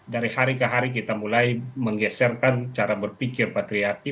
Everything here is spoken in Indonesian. dari hari ke hari kita mulai menggeserkan cara berpikir patriarki